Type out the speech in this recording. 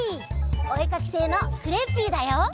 おえかきせいのクレッピーだよ！